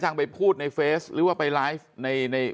หรือว่าไปไลฟ์ถ้าไป